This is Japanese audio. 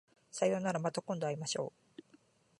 さようならまた今度会いましょう